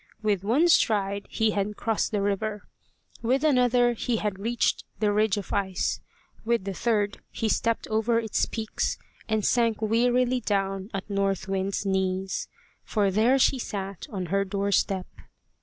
With one stride he had crossed the river; with another he had reached the ridge of ice; with the third he stepped over its peaks, and sank wearily down at North Wind's knees. For there she sat on her doorstep.